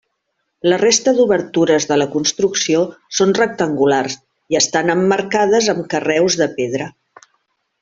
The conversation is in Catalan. La resta d'obertures de la construcció són rectangulars i estan emmarcades amb carreus de pedra.